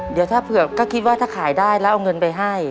เดี๋ยวถ้าเผื่อก็คิดว่าถ้าขายได้แล้วเอาเงินไปให้